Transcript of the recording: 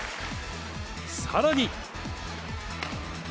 さらに。